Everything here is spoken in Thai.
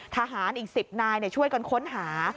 ทหารอีก๑๐นายช่วยกันค้นหา